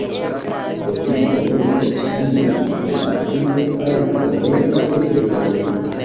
Oni komencas fine de aprilo aŭ komence de majo.